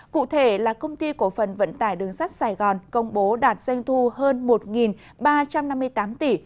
cụ thể là công ty cổ phần vận tải đường sắt sài gòn công bố đạt doanh thu hơn một ba trăm năm mươi tám tỷ